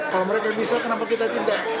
kalau mereka bisa kenapa kita tidak